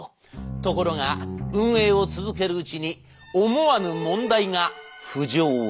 ところが運営を続けるうちに思わぬ問題が浮上いたします。